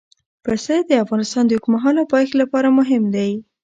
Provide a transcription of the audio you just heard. پسه د افغانستان د اوږدمهاله پایښت لپاره مهم دی.